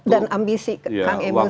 dan ambisi kang emil